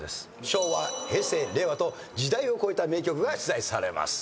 昭和平成令和と時代を超えた名曲が出題されます。